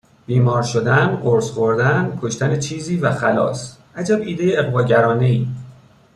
بیمار شدن، قرص خوردن، کشتن چیزی و خلاص. عجب ایده اغواگرانهای!